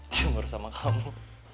cemburu sama kamu